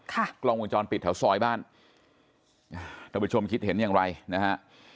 กล้องวงจรปิดแถวซอยบ้านท่านผู้ชมคิดเห็นอย่างไรนะฮะ